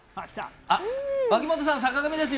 脇本さん、坂上です。